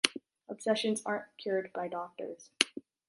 Obsessions aren’t cured by doctors.